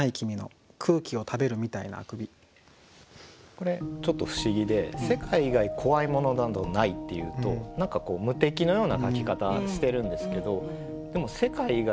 これちょっと不思議で「せかい以外こわいものなどない」っていうと何かこう無敵のような書き方してるんですけどでも「せかい以外」。